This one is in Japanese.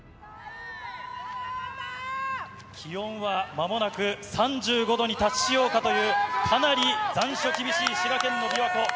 気温はまもなく３５度に達しようかという、かなり残暑厳しい滋賀県のびわ湖。